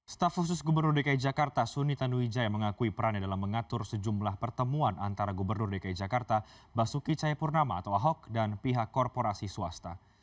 staf khusus gubernur dki jakarta suni tanuwijaya mengakui perannya dalam mengatur sejumlah pertemuan antara gubernur dki jakarta basuki cayapurnama atau ahok dan pihak korporasi swasta